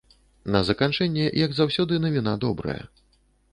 На заканчэнне, як заўсёды, навіна добрая.